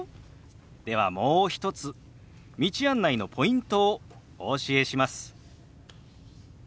ではもう一つ道案内のポイントをお教えします。